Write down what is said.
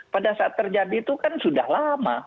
pada saat terjadi itu kan sudah lama